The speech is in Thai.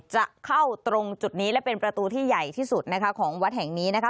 จะเข้าตรงจุดนี้และเป็นประตูที่ใหญ่ที่สุดนะคะของวัดแห่งนี้นะคะ